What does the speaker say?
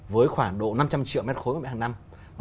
với khoảng độ năm trăm linh triệu m ba hằng năm